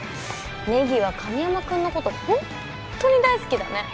ネギは神山君のことホンットに大好きだね